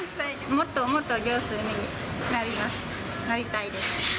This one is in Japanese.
もっともっと上手になります、なりたいです。